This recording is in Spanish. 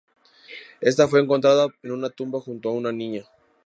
Esta fue encontrada en una tumba junto a una niña.